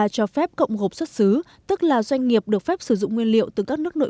cho phép cộng gộp xuất xứ tức là doanh nghiệp được phép sử dụng nguyên liệu từ các nước nội